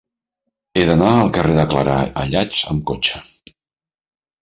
He d'anar al carrer de Clarà Ayats amb cotxe.